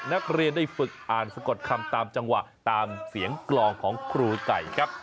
นักเรียนได้ฝึกอ่านสะกดคำตามจังหวะตามเสียงกลองของครูไก่ครับ